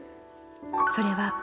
それは。